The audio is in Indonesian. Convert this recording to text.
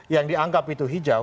yang dianggap itu hijau